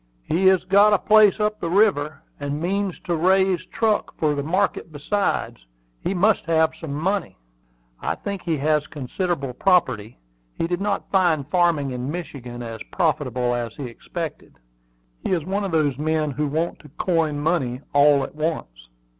"He has got a place up the river, and means to raise truck for the market besides. He must have some money." "I think he has considerable property. He did not find farming in Michigan as profitable as he expected. He is one of those men who want to coin money all at once."